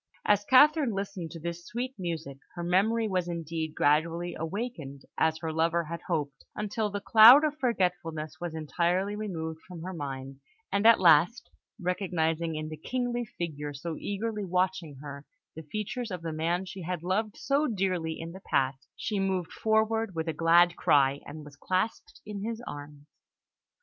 As Catherine listened to this sweet music, her memory was indeed gradually awakened, as her lover had hoped, until the cloud of forgetfulness was entirely removed from her mind; and at last, recognising in the kingly figure so eagerly watching her, the features of the man she had loved so dearly in the past, she moved forward with a glad cry, and was clasped in his arms.